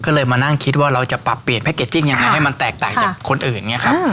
ก็เลยมานั่งคิดว่าเราจะปรับเปลี่ยนแพ็กเกจจิ้งยังไงให้มันแตกต่างจากคนอื่นอย่างนี้ครับ